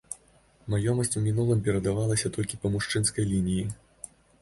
Маёмасць у мінулым перадавалася толькі па мужчынскай лініі.